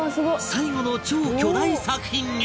最期の超巨大作品へ！